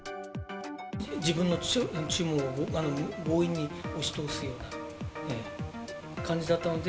自分の注文を強引に押し通すような感じだったので。